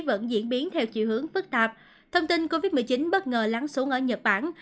vẫn diễn biến theo chiều hướng phức tạp thông tin covid một mươi chín bất ngờ lắng xuống ở nhật bản